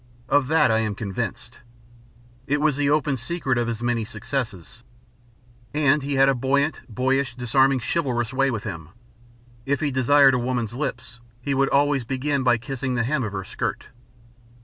Of that I am convinced. It was the open secret of his many successes. And he had a buoyant, boyish, disarming, chivalrous way with him. If he desired a woman's lips he would always begin by kissing the hem of her skirt.